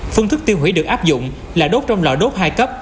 phương thức tiêu hủy được áp dụng là đốt trong lò đốt hai cấp